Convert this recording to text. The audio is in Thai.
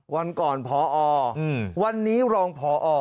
วันก่อนพอวันนี้รองพอ